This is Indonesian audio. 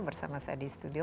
bersama saya di studio